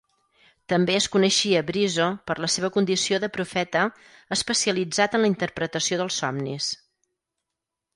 També es coneixia Brizo per la seva condició de profeta especialitzat en la interpretació dels somnis.